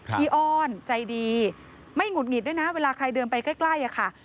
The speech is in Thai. ้อ้อนใจดีไม่หงุดหงิดด้วยนะเวลาใครเดินไปใกล้อะค่ะ